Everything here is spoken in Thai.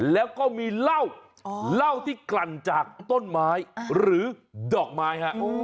แล้วก็มีเหล้าเหล้าที่กลั่นจากต้นไม้หรือดอกไม้ฮะ